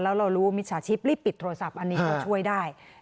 แล้วเรารู้มิจฉาชีพรีบปิดโทรศัพท์อันนี้ก็ช่วยได้